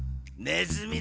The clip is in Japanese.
ネズミ？